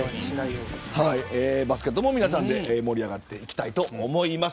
バスケットも皆さんで盛り上がっていきたいと思います。